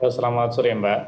selamat sore mbak